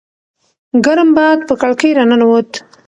ګرم باد په کړکۍ راننووت.